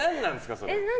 それ。